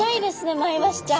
マイワシちゃん。